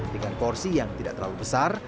dengan porsi yang tidak terlalu besar